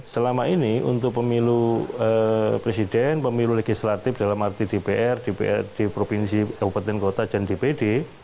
selama ini untuk pemilu presiden pemilu legislatif dalam arti dpr dprd provinsi kabupaten kota dan dpd